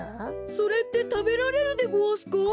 それってたべられるでごわすか？